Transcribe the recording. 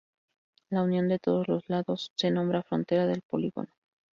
La unión de todos los lados se nombra frontera del polígono.